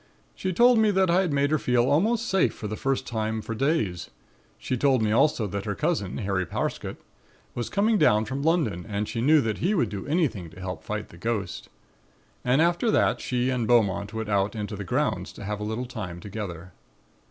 She told me that I had made her feel almost safe for the first time for days. She told me also that her cousin, Harry Parsket, was coming down from London and she knew that he would do anything to help fight the ghost. And after that she and Beaumont went out into the grounds to have a little time together.